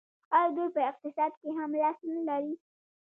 آیا دوی په اقتصاد کې هم لاس نلري؟